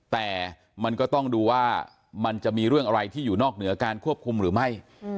แต่มันก็ต้องดูว่ามันจะมีเรื่องอะไรที่อยู่นอกเหนือการควบคุมหรือไม่